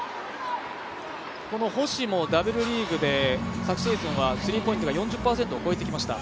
この星もＷリーグで昨シーズンは、スリーポイントが４０％を超えてきました。